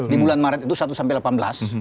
di bulan maret itu satu sampai delapan belas